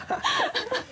ハハハ